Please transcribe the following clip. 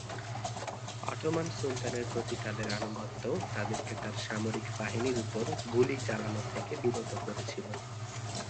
Ottoman সুলতানের প্রতি তাদের আনুগত্য তাদেরকে তার সামরিক বাহিনীর উপর গুলি চালানো থেকে বিরত করেছিল।